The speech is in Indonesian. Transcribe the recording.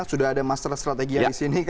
sudah ada master strategi yang ada disini